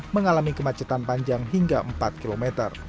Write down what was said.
mengalami kemacetan panjang hingga empat km